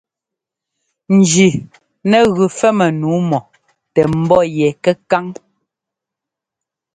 Jí nɛ gʉ fɛ́mmɛ nǔu mɔ tɛ ḿbɔ́ yɛ kɛkáŋ.